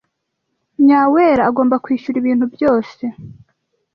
Nyawera agomba kwishyura ibintu byose.